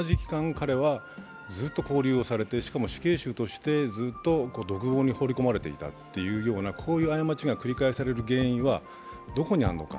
彼はずっと勾留をされて、しかも死刑囚としてずっと独房に放り込まれていたという、こういう過ちが繰り返される原因はどこにあるのか。